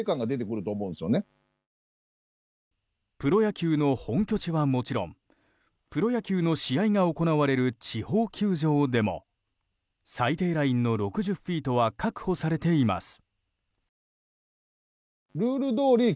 プロ野球の本拠地はもちろんプロ野球の試合が行われる地方球場でも最低ラインの６０フィートは確保されています。